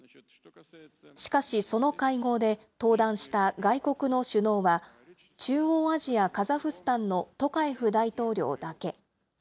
しかし、その会合で登壇した外国の首脳は、中央アジア・カザフスタンのトカエフ大統領だけ。